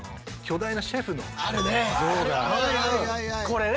これね！